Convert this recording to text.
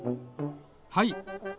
はい。